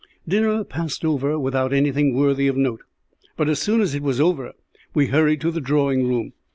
Dinner passed over without anything worthy of note, but as soon as it was over we hurried to the drawing room.